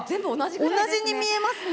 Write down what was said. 同じに見えますね。